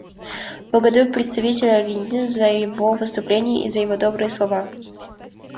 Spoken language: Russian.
Благодарю представителя Аргентины за его выступление и за его добрые слова.